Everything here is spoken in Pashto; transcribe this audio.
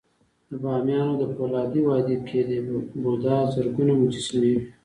د بامیانو د فولادي وادي کې د بودا زرګونه مجسمې وې